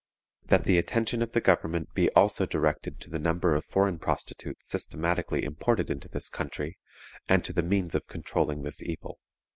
"That the attention of the government be also directed to the number of foreign prostitutes systematically imported into this country, and to the means of controlling this evil."